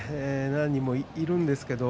何人もいるんですけど